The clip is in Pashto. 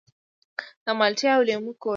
د مالټې او لیمو کور.